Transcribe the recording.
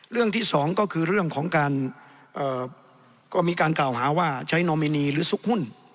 ที่สองก็คือเรื่องของการก็มีการกล่าวหาว่าใช้นอมินีหรือซุกหุ้น